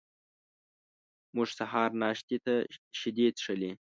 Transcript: موږ سهار ناشتې ته شیدې څښلې.